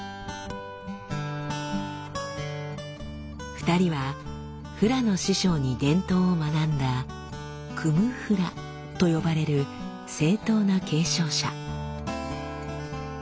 ２人はフラの師匠に伝統を学んだ「クム・フラ」と呼ばれる正統な継承者。